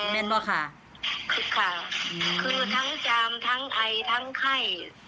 แน่นป่ะค่ะคือทั้งจามทั้งไอทั้งไข้